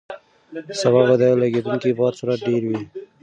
سبا به د لګېدونکي باد سرعت ډېر وي.